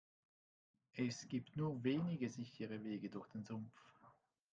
Es gibt nur wenige sichere Wege durch den Sumpf.